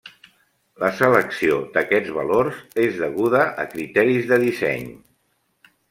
La selecció d'aquests valors és deguda a criteris de disseny.